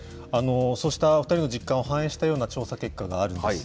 そうしたお２人の実感を反映したような調査結果があるんです。